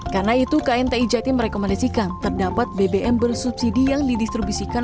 karena itu knti jatim merekomendasikan terdapat bbm bersubsidi yang didistribusikan